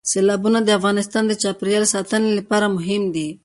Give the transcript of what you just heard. سیلابونه د افغانستان د چاپیریال ساتنې لپاره مهم دي.